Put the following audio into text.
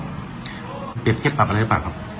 เปรียบเช็คปรับอะไรให้ปรับครับ